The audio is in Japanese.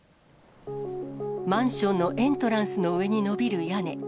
マンションのエントランスの上に伸びる屋根。